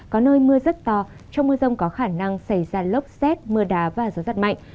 có nơi mưa rất to trong mưa rông có khả năng xảy ra lốc xét mưa đá và gió giật mạnh